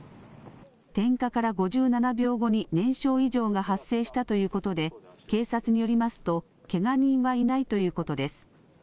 点火から５７秒後に燃焼異常が発生したということで警察によりますとけが人はいないということです。